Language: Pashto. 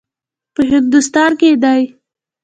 په هندوستان کې دی.